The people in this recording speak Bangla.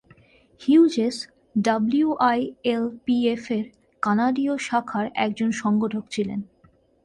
হিউজেস ডাব্লিউআইএলপিএফ-এর কানাডীয় শাখার একজন সংগঠক ছিলেন।